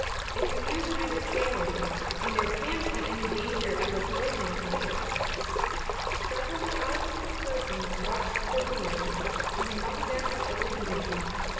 It's a new kind of sailing, and there can't be any danger of a collision up here! " Several thousands of persons watched the balloon, and among them the old maid.